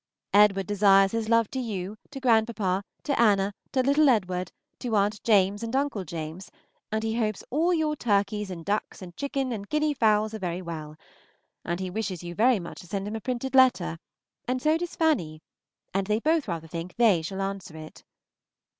Edward desires his love to you, to grandpapa, to Anna, to little Edward, to Aunt James and Uncle James, and he hopes all your turkeys and ducks and chicken and guinea fowls are very well; and he wishes you very much to send him a printed letter, and so does Fanny and they both rather think they shall answer it.